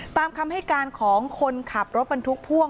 ตามคำให้การของคนขับรถบรรทุกพ่วง